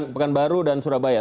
pekanbaru dan surabaya